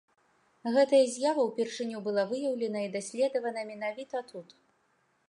Гэтая з'ява ўпершыню была выяўлена і даследавана менавіта тут.